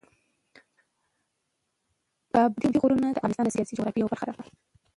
پابندي غرونه د افغانستان د سیاسي جغرافیه یوه برخه ده.